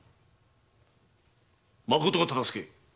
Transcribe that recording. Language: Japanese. まことか忠相？